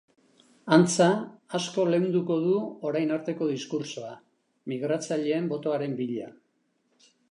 Antza, asko leunduko du orain arteko diskurtsoa, migratzaileen botoaren bila.